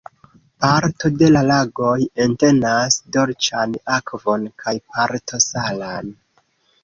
Parto de la lagoj entenas dolĉan akvon kaj parto salan.